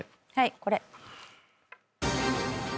これ。